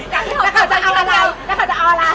แล้วเขาจะเอาอะไรแล้วเขาจะเอาอะไร